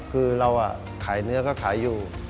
คือเราขายเนื้อก็ขายอยู่